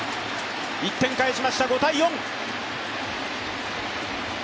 １点返しました、５−４。